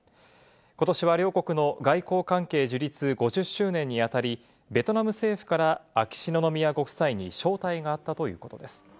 今年は両国の外交関係樹立５０周年にあたり、ベトナム政府から秋篠宮ご夫妻に招待があったということです。